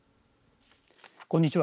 こんにちは。